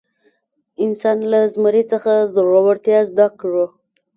انسان له زمري څخه زړورتیا زده کړه.